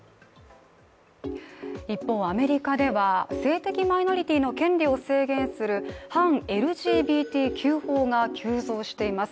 一方、アメリカでは性的マイノリティの権利を制限する反ＬＧＢＴＱ法が急増しています。